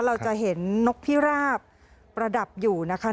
เราจะเห็นนกพิราบประดับอยู่นะคะ